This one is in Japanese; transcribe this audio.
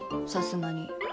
さすがに。